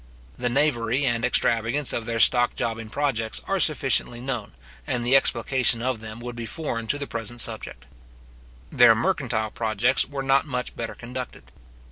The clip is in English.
The knavery and extravagance of their stock jobbing projects are sufficiently known, and the explication of them would be foreign to the present subject. Their mercantile projects were not much better conducted.